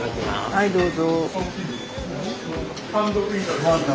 はいどうぞ。